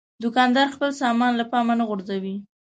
دوکاندار خپل سامان له پامه نه غورځوي.